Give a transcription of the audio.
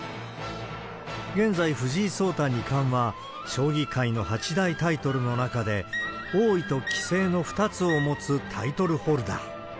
現在、藤井聡太二冠は、将棋界の八大タイトルの中で、王位と棋聖の２つを持つタイトルホルダー。